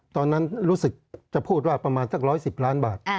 ตอนนั้นรู้สึกจะพูดว่าประมาณสัก๑๑๐ล้านบาท